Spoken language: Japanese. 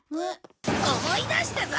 思い出したぞ！